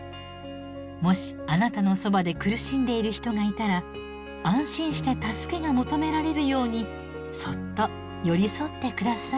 もしあなたのそばで苦しんでいる人がいたら安心して助けが求められるようにそっと寄り添って下さい。